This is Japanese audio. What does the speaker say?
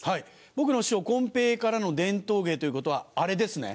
僕の師匠こん平からの伝統芸ということはあれですね？